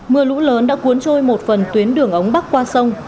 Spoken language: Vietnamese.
mưa lũ lớn đã cuốn trôi một phần tuyến đường ống bắc qua sông